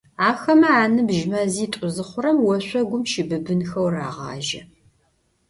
Ахэмэ аныбжь мэзитӏу зыхъурэм, ошъогум щыбыбынхэу рагъажьэ.